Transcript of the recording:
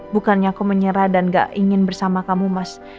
bukannya aku menyerah dan gak ingin bersama kamu mas